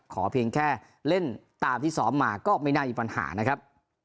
เพียงแค่เล่นตามที่ซ้อมมาก็ไม่น่ามีปัญหานะครับ